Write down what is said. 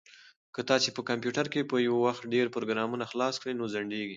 که تاسي په کمپیوټر کې په یو وخت ډېر پروګرامونه خلاص کړئ نو ځنډیږي.